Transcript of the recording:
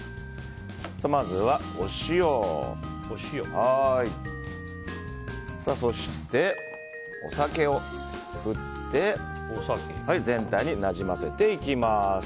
まずはお塩、そしてお酒を振って全体になじませていきます。